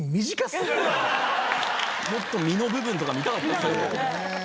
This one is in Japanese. もっと身の部分とか見たかったですね。